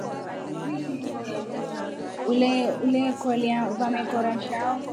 Ulekolya vamekora chao.